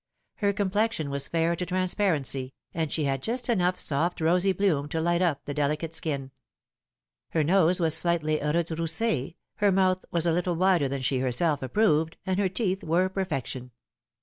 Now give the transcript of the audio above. Her complexion was fair to transparency, and she had just enough soft rosy bloom to light up the delicate skin. Her nose was slightly 96 The Fatal Three. retrousse, her mouth was a little wider than she herself approved, and her teeth were perfection.